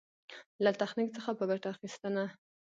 له تخنيک څخه په ګټه اخېستنه.